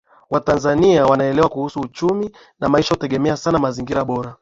Watanzania wanaelewa kuhusu uchumi na maisha hutegemea sana mazingira bora